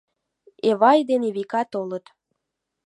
Эвай ден Эвика толыт.